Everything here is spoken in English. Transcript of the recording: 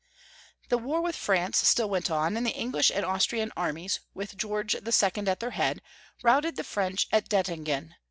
The war with France still went on, and the English and Austrian armies, with George the II. at their head, routed the French at Dettingen.